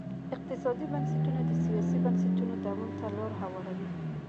اقتصادي بنسټونه د سیاسي بنسټونو دوام ته لار هواروي.